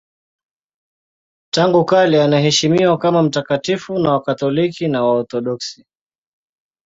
Tangu kale anaheshimiwa kama mtakatifu na Wakatoliki na Waorthodoksi.